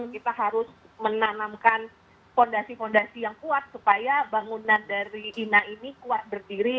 kita harus menanamkan fondasi fondasi yang kuat supaya bangunan dari ina ini kuat berdiri